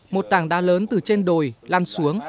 một tàng đá lớn từ trên đồi lan xuống